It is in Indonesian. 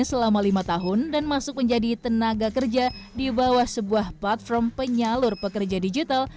selama lima tahun dan masuk menjadi tenaga kerja di bawah sebuah platform penyalur pekerja digital